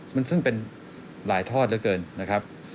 มันซึ่งเป็นหลายทอดเหลือเกินนะครับ